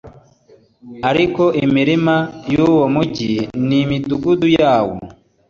ariko imirima y'uwo mugi n'imidugudu yawo